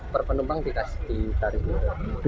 per penumpang dikasih tarifnya dua puluh ribu